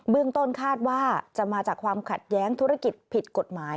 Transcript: ต้นคาดว่าจะมาจากความขัดแย้งธุรกิจผิดกฎหมาย